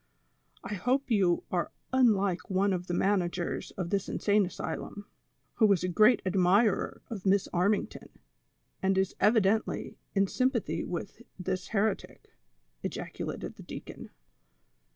I hope you are unlike one of the managers of the insane asylum, who was a great admirer of Miss Armington, and is evi dently in sympathy with this heretic," ejaculated the deacon.